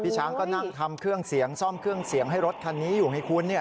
ช้างก็นั่งทำเครื่องเสียงซ่อมเครื่องเสียงให้รถคันนี้อยู่ไงคุณเนี่ย